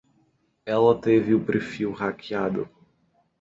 Ela teve o perfil hackeado.